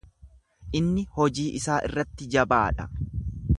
Inni hojii isaa irratti jabaa dha.